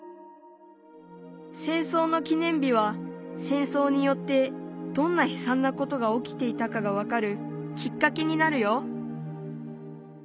戦争の記念日は戦争によってどんなひさんなことが起きていたかが分かるきっかけになるよ。